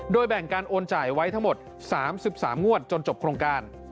โดยแบ่งการโอนจ่ายไว้ทั้งหมด๓๓งวดจนจบโครงการ